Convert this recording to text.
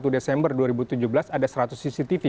satu desember dua ribu tujuh belas ada seratus cctv